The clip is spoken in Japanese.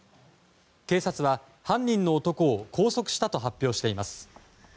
警察は犯人の男を拘束したと発表しています。